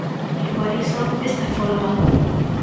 E por iso, esta folga.